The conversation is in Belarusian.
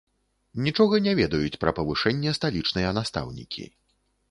Нічога не ведаюць пра павышэнне сталічныя настаўнікі.